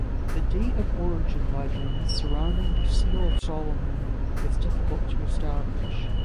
The date of origin legends surrounding the Seal of Solomon is difficult to establish.